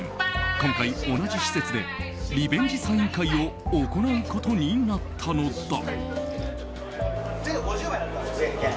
今回、同じ施設でリベンジサイン会を行うことになったのだ。